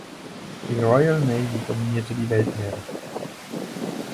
Die Royal Navy dominierte die Weltmeere.